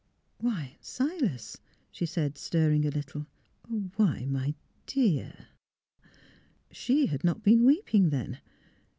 " Why, Silas," she said, stirring a little. << Why, my dear " She had not been weeping then.